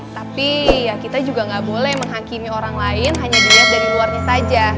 tapi ya kita juga gak boleh menghakimi orang lain hanya dilihat dari luarnya saja